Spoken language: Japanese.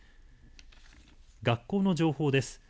学校の情報です。